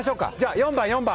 ４番４番！